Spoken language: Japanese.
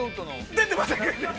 ◆出てません！